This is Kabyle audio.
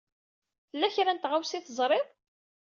Tella kra n tɣawsa i teẓṛiḍ?